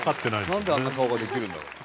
なんであんな顔ができるんだろ。